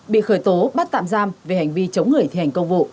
bị khởi tố bắt tạm giam về hành vi chống người thi hành công vụ